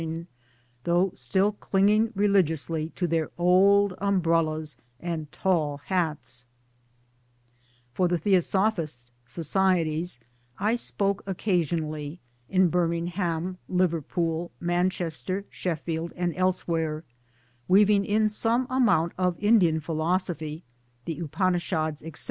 259 ing, though still clinging religiously to their old umbrellas and tall hats I For the Theosophist societies I spoke occasionally, in Birmingham, Liverpool, Manchester, Sheffield, and elsewhere weaving in some amount of Indian philosophy (the Upanishads, etc.)